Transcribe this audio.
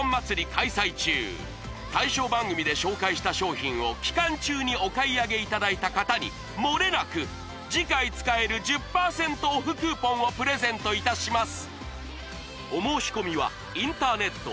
開催中対象番組で紹介した商品を期間中にお買い上げいただいた方にもれなく次回使える１０％オフクーポンをプレゼントいたします